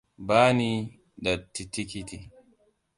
Bani da tikiti.